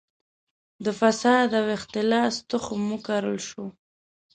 د فساد او اختلاس تخم وکرل شو.